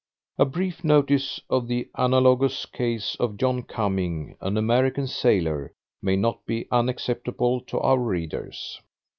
A brief notice of the analogous case of John Cumming, an American sailor, may not be unacceptable to our readers.